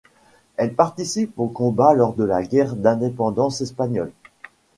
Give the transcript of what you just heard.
Elle participe aux combats lors de la Guerre d'indépendance espagnole.